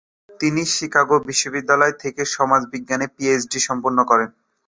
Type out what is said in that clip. তিনি শিকাগো বিশ্ববিদ্যালয় থেকে সমাজবিজ্ঞানে পিএইচডি সম্পন্ন করেন।